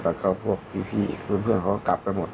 แต่ต่อเข้าพวกพี่เพื่อนเขากลับไปหมด